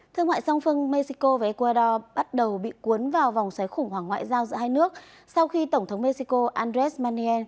thương mại song phương mexico và ecuador bắt đầu bị cuốn vào vòng xoáy khủng hoảng ngoại giao giữa hai nước sau khi tổng thống mexico andres maniel